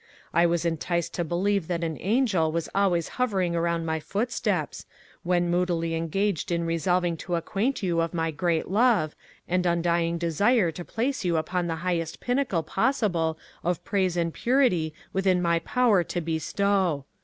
I was enticed to believe that an angel was always hovering around my footsteps, when moodily engaged in resolving to acquaint you of my great love, and undying desire to place you upon the highest pinnacle possible of praise and purity within my power to bestow!